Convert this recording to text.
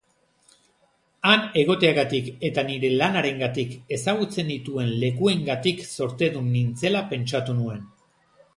Han egoteagatik eta nire lanarengatik ezagutzen nituen lekuengatik zortedun nintzela pentsatu nuen.